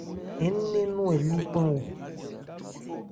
Ńnɛn nɔn ɛ lí pán o.